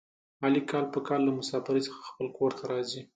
علي کال په کال له مسافرۍ څخه خپل کورته راځي.